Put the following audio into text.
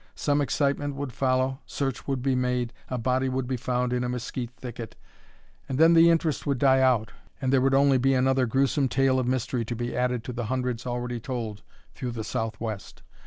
Some excitement would follow, search would be made, a body would be found in a mesquite thicket, and then the interest would die out, and there would be only another grewsome tale of mystery to be added to the hundreds already told through the Southwest.